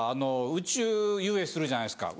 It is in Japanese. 宇宙遊泳するじゃないですか